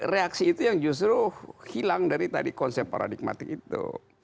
reaksi itu yang justru hilang dari tadi konsep paradigmatik itu